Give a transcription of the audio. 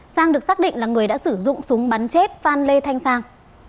sang được xác định là người đã sử dụng súng bắn chết phan lê thanh sang